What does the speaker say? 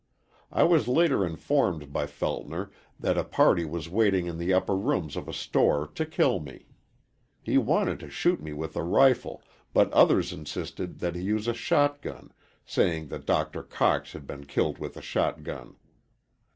"I was later informed by Feltner that a party was waiting in the upper rooms of a store to kill me. He wanted to shoot me with a rifle, but others insisted that he use a shotgun, saying that Doctor Cox had been killed with a shotgun.